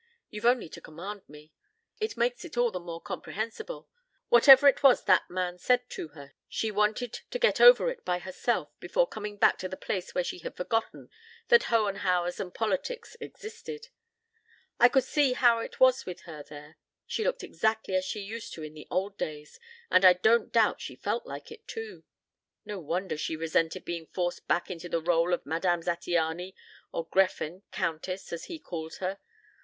You've only to command me. ... It makes it all the more comprehensible. Whatever it was that man said to her, she wanted to get over it by herself before coming back to the place where she had forgotten that Hohenhauers and politics existed. I could see how it was with her here. She looked exactly as she used to in the old days, and I don't doubt felt like it, too. No wonder she resented being forced back into the rôle of Madame Zattiany, or Gräfin countess as he calls her.